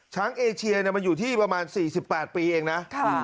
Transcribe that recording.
ช้างเอเชียอยู่ที่ประมาณ๔๘ปีเองนะ